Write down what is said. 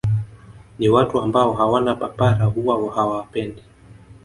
Ni watu ambao hawana papara huwa hawapendi